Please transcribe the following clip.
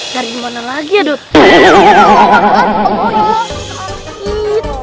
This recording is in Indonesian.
nyari dimana lagi ya dot